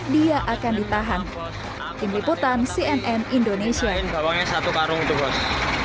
dia akan ditahan tim liputan cnn indonesia ini bawanya satu karung tubuh